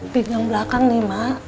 pik yang belakang nih mak